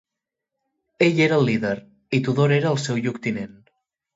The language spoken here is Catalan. Ell era el líder, i Tudor era el seu lloctinent.